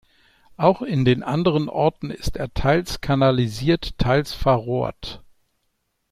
Auch in den anderen Orten ist er teils kanalisiert, teils verrohrt.